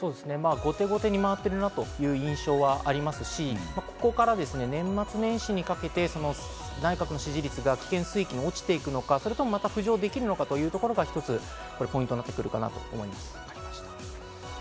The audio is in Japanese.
後手後手に回ってるなっていう印象はありますし、ここから年末年始にかけて内閣の支持率が危険水域に落ちていくのか、それともまた浮上できるのかというところがポイントになってくるかなと思います。